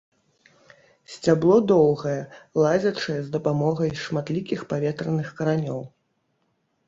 Сцябло доўгае, лазячае з дапамогай шматлікіх паветраных каранёў.